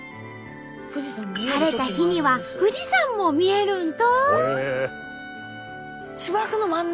晴れた日には富士山も見えるんと！